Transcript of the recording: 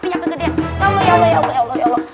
ya allah ya allah